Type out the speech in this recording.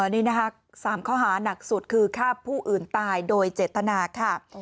นี่นะคะ๓ข้อหานักสุดคือฆ่าผู้อื่นตายโดยเจตนาค่ะ